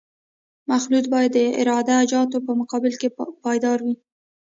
مخلوط باید د عراده جاتو په مقابل کې پایدار وي